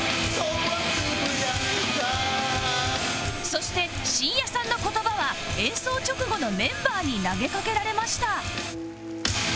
そして真矢さんの言葉は演奏直後のメンバーに投げかけられました